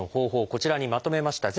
こちらにまとめました。